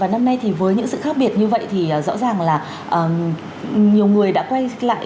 năm nay thì với những sự khác biệt như vậy thì rõ ràng là nhiều người đã quay lại